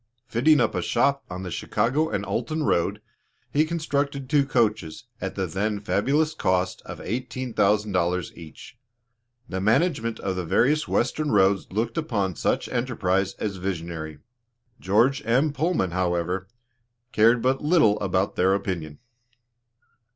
Fitting up a shop on the Chicago and Alton road, he constructed two coaches, at the then fabulous cost of $18,000 each. The management of the various western roads looked upon such enterprise as visionary. George M. Pullman, however, cared but little about their opinion.